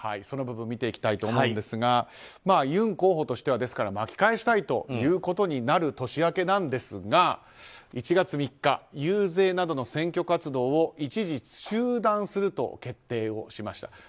その部分を見ていきたいと思うんですがユン候補としては巻き返したいということになる年明けなんですが１月３日、遊説などの選挙活動を一時中断すると決定をしました。